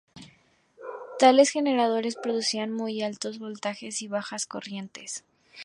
Tales generadores producían muy altos voltajes y baja corriente.